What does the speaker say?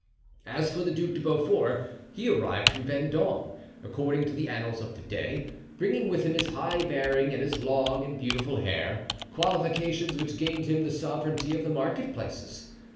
As for the Duc de Beaufort, he arrived from Vendome, according to the annals of the day, bringing with him his high bearing and his long and beautiful hair, qualifications which gained him the sovereignty of the marketplaces.